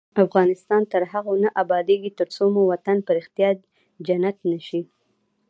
افغانستان تر هغو نه ابادیږي، ترڅو مو وطن په ریښتیا جنت نشي.